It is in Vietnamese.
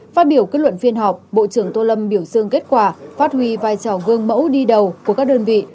phát biểu kết luận phiên họp bộ trưởng tô lâm biểu dương kết quả phát huy vai trò gương mẫu đi đầu của các đơn vị